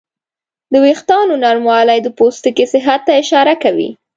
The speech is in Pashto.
د وېښتیانو نرموالی د پوستکي صحت ته اشاره کوي.